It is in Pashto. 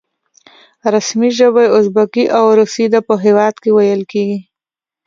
رسمي ژبه یې ازبکي او روسي ده چې په هېواد کې ویل کېږي.